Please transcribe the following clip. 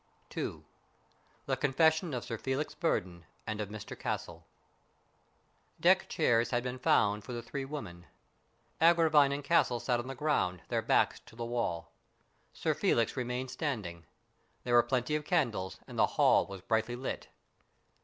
II THE CONFESSION OF SIR FELIX BURDON AND OF MR CASTLE DECK CHAIRS had been found for the three women. Agravine and Castle sat on the ground, their backs to the wall. Sir Felix remained stand ing. There were plenty of candles and the hall was brightly lit.